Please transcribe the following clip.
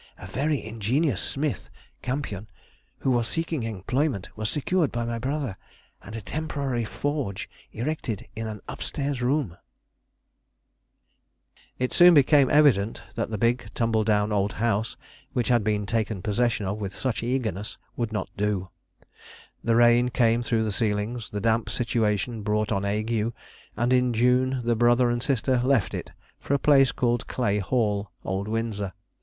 A very ingenious smith (Campion), who was seeking employment, was secured by my brother, and a temporary forge erected in an upstairs room. [Sidenote: 1784 1785. Removal from Datchet to Clay Hall.] It soon became evident that the big, tumble down old house, which had been taken possession of with such eagerness, would not do: the rain came through the ceilings; the damp situation brought on ague, and in June the brother and sister left it for a place called Clay Hall, Old Windsor.